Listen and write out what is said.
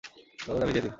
দরজাটা ভিজিয়ে দিন।